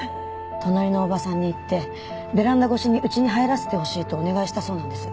隣のおばさんに言ってベランダ越しにうちに入らせてほしいとお願いしたそうなんです。